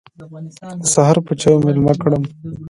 د سهار پر چايو مېلمه کړم.